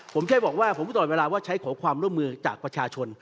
ผมแค่บอกว่าผมตลอดเวลาว่าใช้ขอความร่วมมือจากประชาชน